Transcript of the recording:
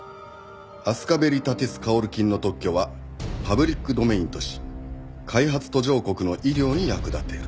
アスカベリタティスカオル菌の特許はパブリックドメインとし開発途上国の医療に役立てる」